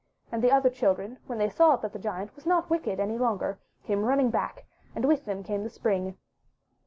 And the other children when they saw that the Giant was not wicked any longer, came running back, and with them came the Spring.